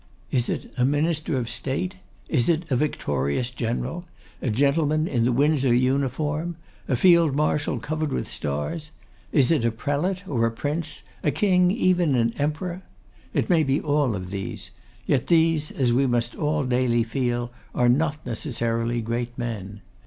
Is it a Minister of State? Is it a victorious General? A gentleman in the Windsor uniform? A Field Marshal covered with stars? Is it a Prelate, or a Prince? A King, even an Emperor? It may be all these; yet these, as we must all daily feel, are not necessarily great men.